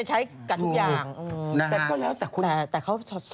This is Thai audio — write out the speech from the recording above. จริงเหรอ